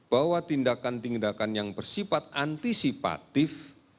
bahwa tindakan tindakan yang bersifat antisipatif